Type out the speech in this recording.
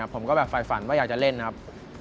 ผมก็ฝันว่าให้จะเล่นครับ